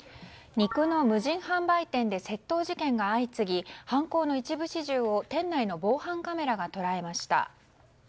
肉の無人販売店で窃盗事件が相次ぎ犯行の一部始終を店内の防犯カメラが捉えました。